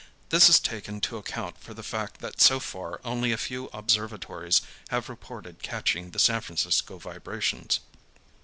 This is taken to account for the fact that so far only a few observatories have reported catching the San Francisco vibrations.